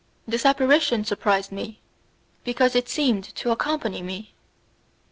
This apparition surprised me, because it seemed to accompany me.